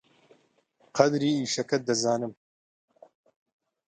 قەدری ئیشەکەت دەزانم.